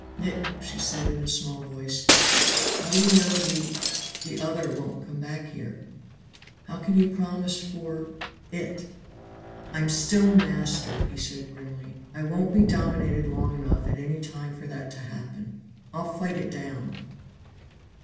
"Nick," she said in a small voice, "how do you know the the other won't come back here? How can you promise for it?" "I'm still master!" he said grimly. "I won't be dominated long enough at any time for that to happen. I'll fight it down."